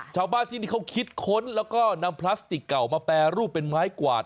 ชาวบ้านที่นี่เขาคิดค้นแล้วก็นำพลาสติกเก่ามาแปรรูปเป็นไม้กวาด